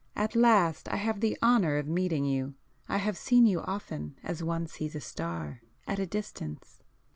"At last I have the honour of meeting you. I have seen you often, as one sees a star,—at a distance."